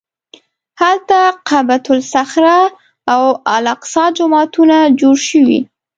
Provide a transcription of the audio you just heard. هلته قبة الصخره او الاقصی جوماتونه جوړ شوي.